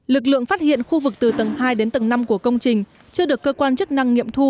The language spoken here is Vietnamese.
lực lượng phát hiện khu vực từ tầng hai đến tầng năm của công trình chưa được cơ quan chức năng nghiệm thu